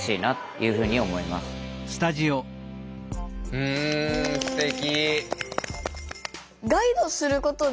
うんすてき。